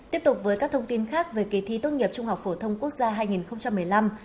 tiếp tục với các thông tin khác về kỳ thi tốt nghiệp trung học phổ thông quốc gia hai nghìn một mươi năm